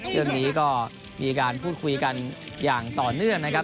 เรื่องนี้ก็มีการพูดคุยกันอย่างต่อเนื่องนะครับ